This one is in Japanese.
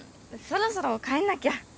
そろそろ帰んなきゃ。